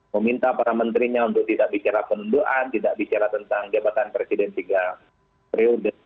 meminta para menterinya untuk tidak bicara pendoaan tidak bicara tentang gebatan presiden juga